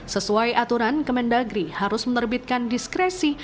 sesuai aturan kemendagri harus menerbitkan diskresi